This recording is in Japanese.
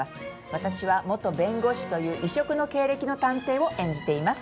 私は元弁護士という異色の経歴の探偵を演じています。